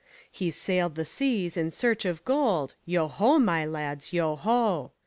He sailed the seas in search of gold, Yo ho, my lads, yo ho!